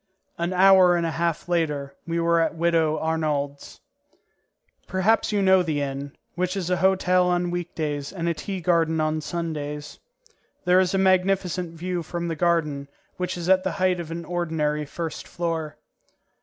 An hour and a half later we were at Widow Arnould's. Perhaps you know the inn, which is a hotel on week days and a tea garden on Sundays. There is a magnificent view from the garden, which is at the height of an ordinary first floor.